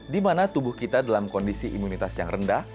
di mana tubuh kita dalam kondisi imunitas yang rendah